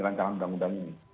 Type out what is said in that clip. rangka undang undang ini